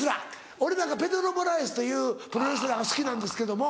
俺なんかペドロ・モラレスというプロレスラーが好きなんですけども。